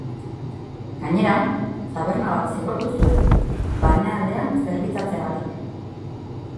Gainera, taberna bat zigortu zuen, barnealdean zerbitzatzeagatik.